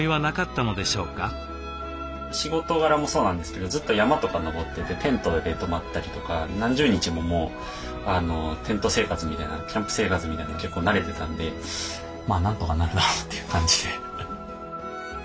仕事柄もそうなんですけどずっと山とか登っててテントで泊まったりとか何十日ももうテント生活みたいなキャンプ生活みたいなのに結構慣れてたんでなんとかなるだろうという感じで。